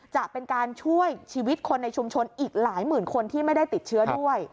จะเป็นการช่วยชีวิตคนในชุมชนอีกหลายหมื่นคนที่ไม่ได้ติดเชื้อด้วย